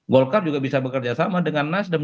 golkar juga bisa bekerja sama dengan nasdem